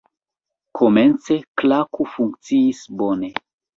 Komence, Klaku funkciis bone.